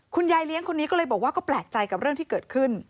เลี้ยงคนนี้ก็เลยบอกว่าก็แปลกใจกับเรื่องที่เกิดขึ้น